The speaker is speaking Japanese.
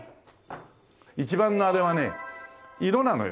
一番のあれはね色なのよ。